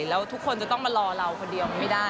แล้วทุกคนจะต้องมารอเราคนเดียวไม่ได้